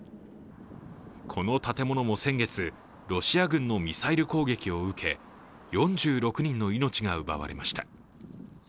この建物も先月、ロシア軍のミサイル攻撃を受け４６人の命が奪われました。